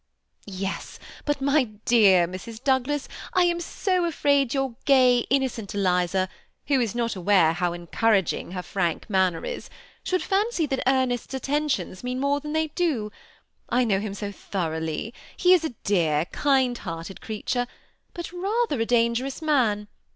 '*Yes, but my dear Mrs. Douglas, I am so afraid your gay, innocent Eliza, who is not aware how en couraging her frank manner is, should fancy that Er nest's attentions mean more than they do : I know him so thoroughly. He is a dear, kind hearted creature, but rather a dangerous man.